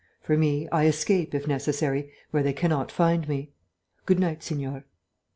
For me, I escape, if necessary, where they cannot find me. Good night, Signore."